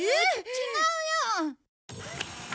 違うよ。